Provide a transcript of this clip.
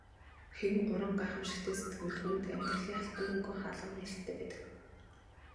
Хэн уран гайхамшигтай сэтгэнэ түүнд амьдралын алтан мөнгөн хаалга нээлттэй байдаг.